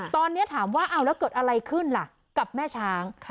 ตอนนี้ถามว่าเอาแล้วเกิดอะไรขึ้นล่ะกับแม่ช้าง